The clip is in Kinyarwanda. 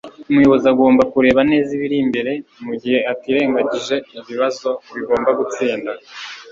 umuyobozi agomba kureba neza ibiri imbere mugihe atirengagije ibibazo bigomba gutsinda